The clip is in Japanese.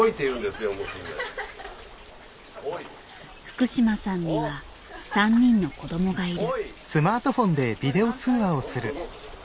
おい福島さんには３人の子どもがいる。